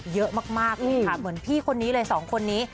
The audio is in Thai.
เยอะมากเหมือนพี่คนนี้สองคนนี้